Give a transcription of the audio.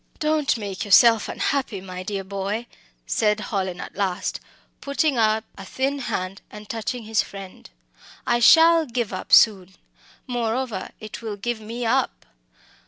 "Don't make yourself unhappy, my dear boy," said Hallin at last, putting up a thin hand and touching his friend "I shall give up soon. Moreover, it will give me up.